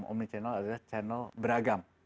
omni channel adalah channel beragam